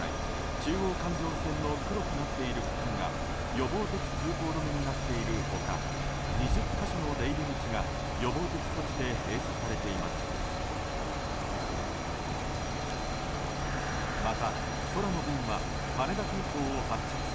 中央環状線の黒くなっている区間が予防的通行止めになっている他２０か所の出入り口が予防的措置で閉鎖されています。